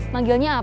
manggilnya apa tuh